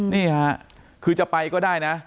นี่ค่ะคือจะไปก็ได้นะ